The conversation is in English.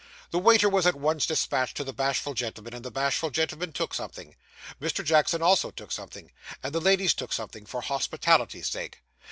The waiter was at once despatched to the bashful gentleman, and the bashful gentleman took something; Mr. Jackson also took something, and the ladies took something, for hospitality's sake.